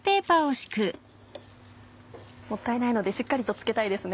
もったいないのでしっかりとつけたいですね。